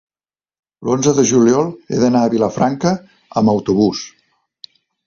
L'onze de juliol he d'anar a Vilafranca amb autobús.